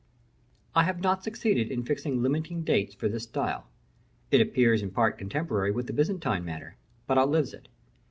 I have not succeeded in fixing limiting dates for this style. It appears in part contemporary with the Byzantine manner, but outlives it.